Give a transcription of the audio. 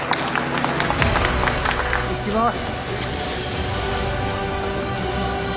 いきます。